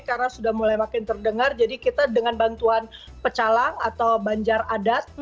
karena sudah mulai makin terdengar jadi kita dengan bantuan pecalang atau banjar adat